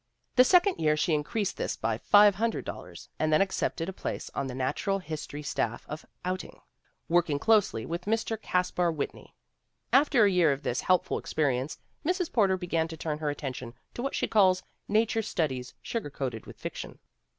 The second year she increased this by $500, and then accepted a place on the natural history staff qf Outing, working closely with Mr. Caspar Whit ney. /After a year of this" helpful experience, Mrs. Porter began to turn her attention to what she calls 'nature studies sugar coated with fiction.'